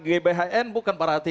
gbhn bukan para hati